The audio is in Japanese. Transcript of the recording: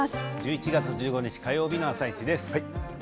１１月１５日火曜日の「あさイチ」です。